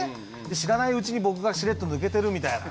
知らないうちに僕がしれっと抜けてるみたいな。